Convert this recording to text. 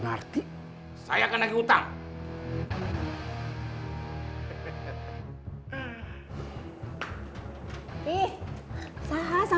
nah ini kuncinya